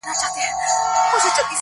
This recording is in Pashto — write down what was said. لکه کنگل تودو اوبو کي پروت يم~